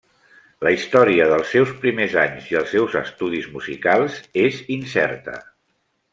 La història dels seus primers anys i els seus estudis musicals és incerta.